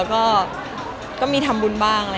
แล้วก็มีทำบุญบ้างอะไร